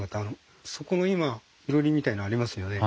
そこの今いろりみたいのありますよね。